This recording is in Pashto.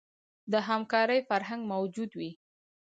د همکارۍ فرهنګ موجود وي.